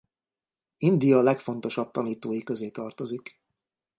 India legfontosabb tanítói közé tartozik.